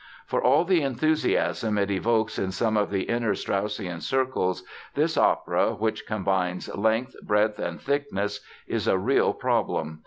For all the enthusiasm it evokes in some of the inner Straussian circles this opera, which combines length, breadth and thickness, is a real problem.